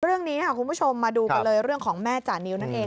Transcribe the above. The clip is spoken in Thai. เรื่องนี้ค่ะคุณผู้ชมมาดูกันเลยเรื่องของแม่จานิวนั่นเอง